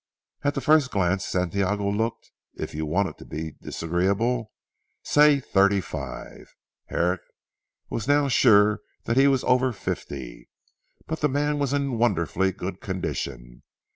At the first glance Santiago looked if you wanted to be disagreeable say thirty five. Herrick was now sure he was over fifty. But the man was in wonderfully good condition.